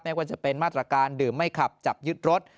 ว่าจะเป็นมาตรการดื่มไม่ขับจับยึดรถ